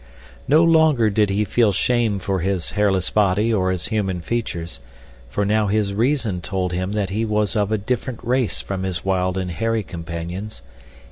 No longer did he feel shame for his hairless body or his human features, for now his reason told him that he was of a different race from his wild and hairy companions.